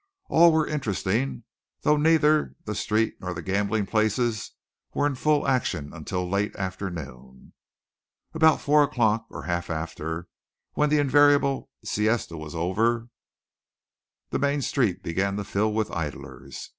All were interesting; though neither the streets nor the gambling places were in full action until late afternoon. About four o'clock, or half after, when the invariable siesta was over, the main street began to fill with idlers.